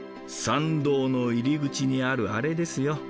参道の入り口にあるあれですよ。